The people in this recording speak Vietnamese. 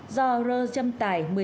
do rơ châm tải